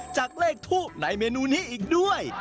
จากเลขทูปในเมนูนี้อีกด้วย